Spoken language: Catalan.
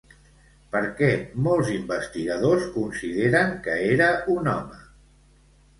Per què molts investigadors consideren que era un home?